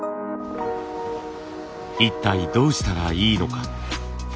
一体どうしたらいいのか。